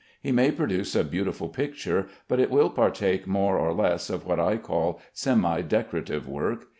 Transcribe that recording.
He may produce a beautiful picture, but it will partake more or less of what I call semi decorative work.